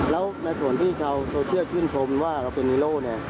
แล้วในส่วนที่ชาวโซเชียลชื่นชมว่าเราเป็นฮีโร่เนี่ย